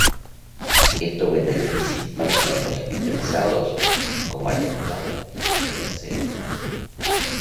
Esto beneficia, tanto a los interesados como al Estado y a los terceros.